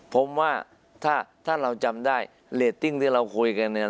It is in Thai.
ผมว่าถ้าเราจำได้เรตติ้งที่เราคุยกันเนี่ย